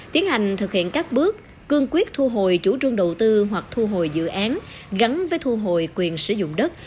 tiến hành thực hiện các bước cương quyết thu hồi chủ trương đầu tư hoặc thu hồi dự án gắn với thu hồi quyền sử dụng đất